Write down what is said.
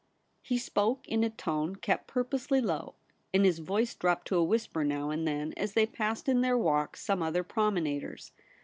He spoke in a tone kept purposely low, and his voice dropped to a whisper now and then as they passed in their walk some other promenaders.